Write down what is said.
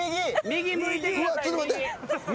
右向いてください右。